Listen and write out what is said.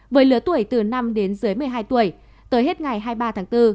với lứa tuổi từ năm đến dưới một mươi hai tuổi tới hết ngày hai mươi ba tháng bốn